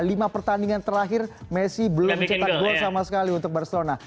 lima pertandingan terakhir messi belum cetak gol sama sekali untuk barcelona